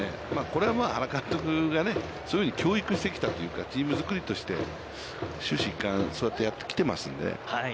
これはまあ、原監督がそういうふうに教育してきたというか、チームづくりとして、終始一貫そうやってやってきてますので。